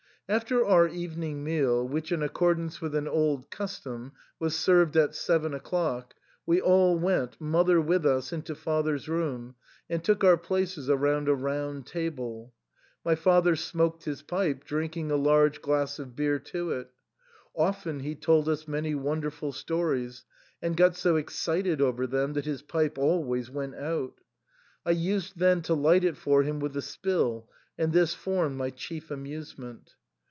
After our evening meal, which, in accordance with an old custom, was served at seven o'clock, we all went, mother with us, into father's room, and took our places around a round table. My father smoked his pipe, drinking a large glass of beer to it. Often he told us many wonder ful stories, and got so excited over them that his pipe always went out ; I used then to light it for him with a spill, and this formed ray chief amusement.